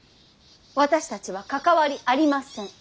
私たちは関わりありません。